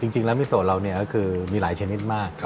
จริงแล้วมิสโดเรามีหลายชนิดมาก